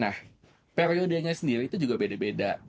nah periodenya sendiri itu juga beda beda